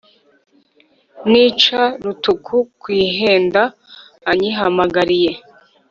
Nica Rutuku ku Ihenda anyihamagariye.